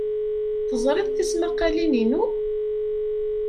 Teẓrid tismaqqalin-inu?